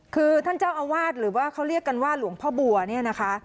คือท่านเจ้าอาวาสหรือว่าเขาเรียกกันว่าหลวงพ่อบัวเนี่ยนะคะ